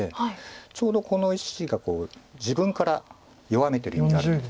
ちょうどこの石が自分から弱めてるようになるんです。